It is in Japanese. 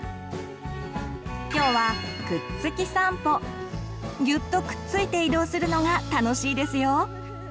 今日はぎゅっとくっついて移動するのが楽しいですよ。